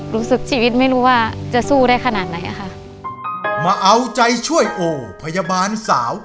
รู้สึกชีวิตไม่รู้ว่าจะสู้ได้ขนาดไหนอ่ะค่ะมาเอาใจช่วยโอพยาบาลสาว